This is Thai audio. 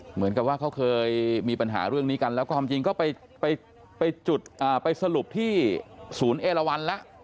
เหมือนกับว่าเขาเคยมีปัญหาเรื่องเนี้ยกันเดี๋ยวความจริงก็ไปสรุปที่ศูนย์เอราวัลและ